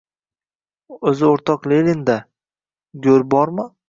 O’zi o‘rtoq Leninda... go‘r bormi?